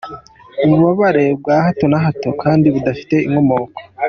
Ububabare bwa hato na hato kandi budafite inkomoko